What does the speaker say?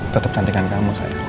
tetep cantikkan kamu sayang